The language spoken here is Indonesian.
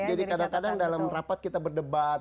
jadi kadang kadang dalam rapat kita berdebat